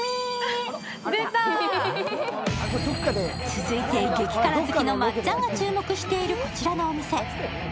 続いて、激辛好きのまっちゃんが注目している、こちらのお店。